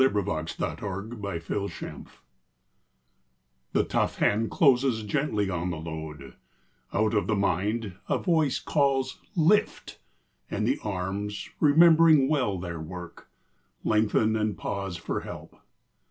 62 MAN CARRYING BALE r I ^HE tough hand closes gently on the load ; X Out of the mind, a voice Calls " Lift !" and the arms, remembering well their work, Lengthen and pause for help.